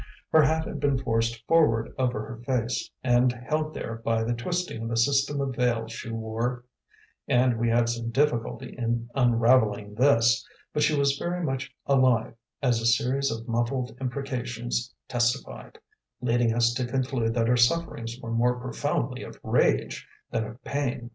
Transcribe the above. Her hat had been forced forward over her face and held there by the twisting of a system of veils she wore; and we had some difficulty in unravelling this; but she was very much alive, as a series of muffled imprecations testified, leading us to conclude that her sufferings were more profoundly of rage than of pain.